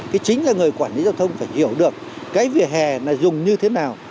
thì chính là người quản lý giao thông phải hiểu được cái vỉa hè dùng như thế nào